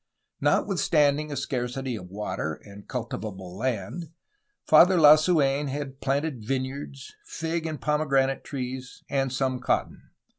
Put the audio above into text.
Notwithstanding a scarcity of water and cultivable land. Father Lasuen had planted vine yards, fig and pomegranate trees, and some cotton.